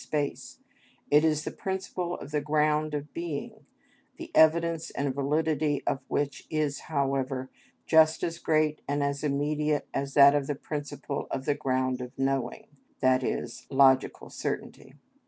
_, space, it is the principle of the ground of being, the evidence and validity of which is, however, just as great and as immediate as that of the principle of the ground of knowing, i.e., logical certainty.